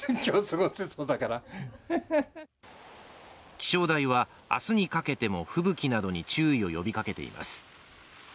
気象台は明日にかけても吹雪などに注意を呼びかけています。